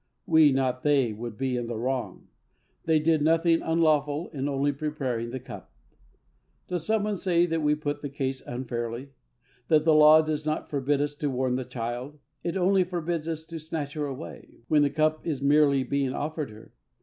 We, not they, would be in the wrong; they did nothing unlawful in only preparing the cup. Does someone say that we put the case unfairly that the law does not forbid us to warn the child, it only forbids us to snatch her away when the cup is merely being offered her?